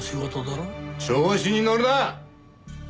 調子にのるな！